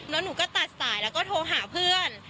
แล้วหนูก็ตัดสายแล้วก็โทรหาเพื่อน